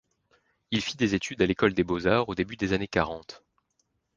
Il fit des études à l'École des Beaux-Arts au début des années quarante.